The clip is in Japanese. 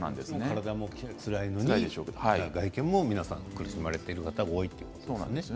体もつらいのに外見も皆さん苦しまれている方が多いということですね。